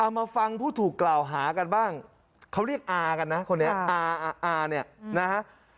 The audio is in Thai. มาฟังผู้ถูกกล่าวหากันบ้างเขาเรียกอากันนะคนนี้อาเนี่ยนะฮะ